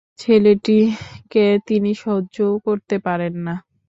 ছেলেটিকে তিনি সহ্যও করতে পারেন না।